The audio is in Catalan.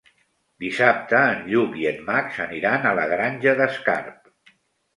Dissabte en Lluc i en Max aniran a la Granja d'Escarp.